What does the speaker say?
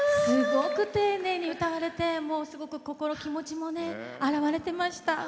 すごく丁寧に歌われてすごく、気持ちも表れてました。